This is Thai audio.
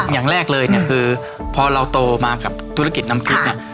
อย่างแรกเลยเนี่ยคือพอเราโตมากับธุรกิจน้ำพริกเนี่ย